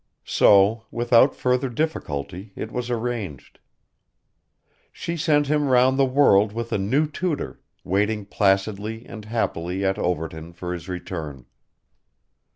So, without further difficulty, it was arranged. She sent him round the world with a new tutor, waiting placidly and happily at Overton for his return.